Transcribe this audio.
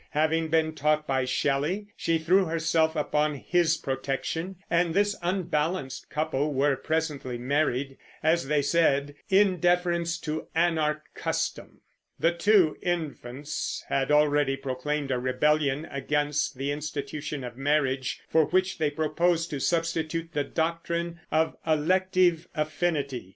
Having been taught by Shelley, she threw herself upon his protection; and this unbalanced couple were presently married, as they said, "in deference to anarch custom." The two infants had already proclaimed a rebellion against the institution of marriage, for which they proposed to substitute the doctrine of elective affinity.